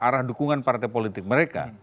arah dukungan partai politik mereka